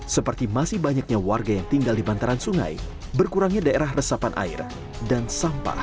seperti masih banyaknya warga yang tinggal di bantaran sungai berkurangnya daerah resapan air dan sampah